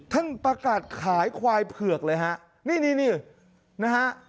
ท่านประกาศขายควายเผือกเลยฮะนี่นี่นะฮะ